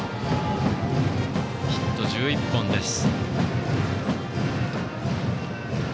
ヒット１１本です。